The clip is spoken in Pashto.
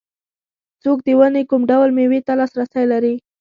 څوک د ونې کوم ډول مېوې ته لاسرسی لري.